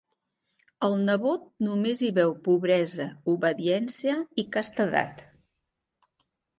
El nebot només hi veu pobresa, obediència i castedat.